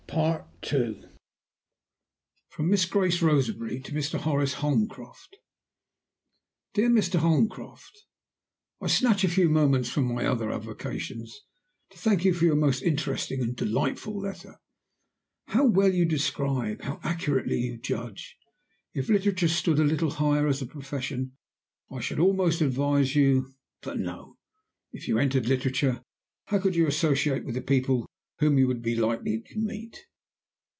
II. From MISS GRACE ROSEBERRY to MR. HORACE HOLMCROFT. "DEAR MR. HOLMCROFT I snatch a few moments from my other avocations to thank you for your most interesting and delightful letter. How well you describe, how accurately you judge! If Literature stood a little higher as a profession, I should almost advise you but no! if you entered Literature, how could you associate with the people whom you would be likely to meet?